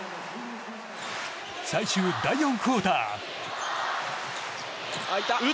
最終第４クオーター。